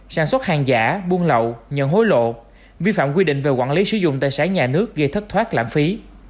sản xuất hàng giả buôn lậu nhận hối lộ vi phạm quy định về quản lý sử dụng tài sản nhà nước gây thất thoát lãng phí